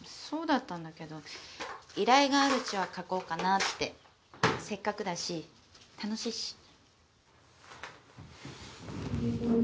そうだったんだけど依頼があるうちは描こうかなってせっかくだし楽しいし。